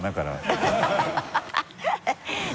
ハハハ